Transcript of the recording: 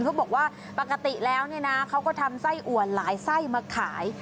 เขาบอกว่าปกติแล้วเนี่ยนะเขาก็ทำไส้อัวหลายไส้มาขาย